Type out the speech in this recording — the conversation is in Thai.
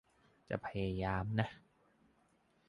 จะพยายามนะ